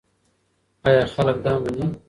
ایا خلک دا مني؟